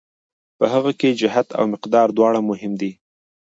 په هغه کې جهت او مقدار دواړه مهم دي.